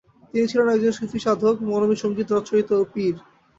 তিনি ছিলেন একজন সূফী সাধক মরমী সঙ্গীত রচয়িতা ও পীর।